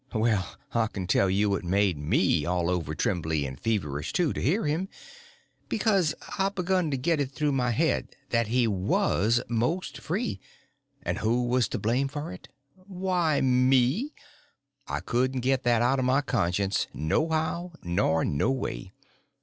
Well, I can tell you it made me all over trembly and feverish, too, to hear him, because I begun to get it through my head that he was most free—and who was to blame for it? Why, me. I couldn't get that out of my conscience, no how nor no way.